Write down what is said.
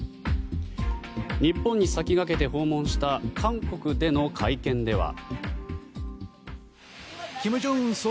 日本に先駆けて訪問した韓国での会見では。